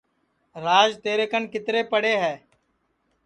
راج تیرے کن کِترے پڑے ہے